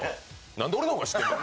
なんで俺の方が知ってんねん！